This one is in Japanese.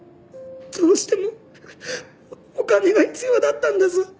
どうしてもお金が必要だったんです。